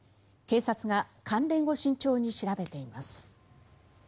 警察が関連を慎重に調べています。